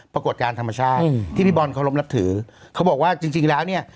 ปรากฏการณ์ธรรมชาติที่พี่บอลเคารพนับถือเขาบอกว่าจริงจริงแล้วเนี่ย